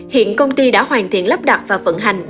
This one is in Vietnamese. hiện công ty đã hoàn thiện lắp đặt và vận hành